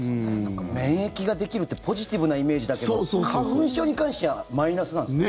免疫ができるってポジティブなイメージだけど花粉症に関してはマイナスなんですね。